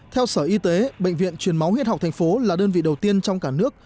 theo sở y tế bệnh viện truyền máu huyết học thành phố là đơn vị đầu tiên trong cả nước